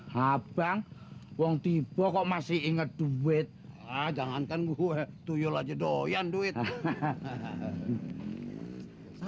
habang uang tipe kok masih inget duit ah jangankan gue tuyul aja doyan duit hahaha